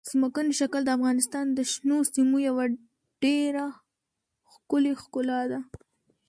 ځمکنی شکل د افغانستان د شنو سیمو یوه ډېره ښکلې ښکلا ده.